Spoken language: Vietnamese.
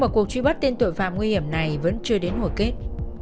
cuộc truy bắt tên tội phạm nguy hiểm này vẫn chưa đến hồi kết